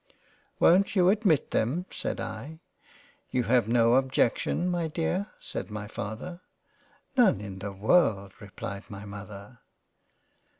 " Won't you admit them ?" (said I.) " You have no objection, my Dear ?" (said my Father.) " None in the World." (replied my Mother.)